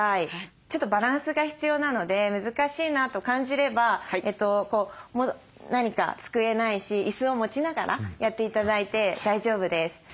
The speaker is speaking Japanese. ちょっとバランスが必要なので難しいなと感じれば何か机ないし椅子を持ちながらやって頂いて大丈夫です。